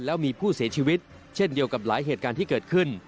แล้วมีผู้เสียชีวิตเช่นเดียวกับหลายเหตุการณ์ที่เกิดขึ้น